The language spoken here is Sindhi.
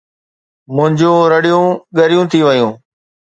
منهنجون رڙيون ڳريون ٿي ويون